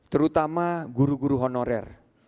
terutama guru guru honorer